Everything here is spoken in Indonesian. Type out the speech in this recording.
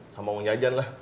sama uang jajan lah